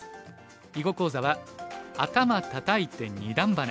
囲碁講座は「アタマたたいて二段バネ」。